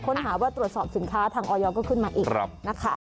ค้นหาว่าตรวจสอบสินค้าทางออยก็ขึ้นมาอีกนะคะ